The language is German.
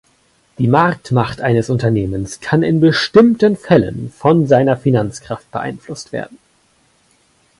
Die Marktmacht eines Unternehmens kann in bestimmten Fällen von seiner Finanzkraft beeinflusst werden.